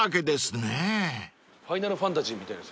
ファイナルファンタジーみたい。